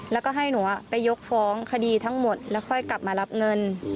แล้วก็ให้หนูไปยกฟ้องคดีทั้งหมดแล้วค่อยกลับมารับเงิน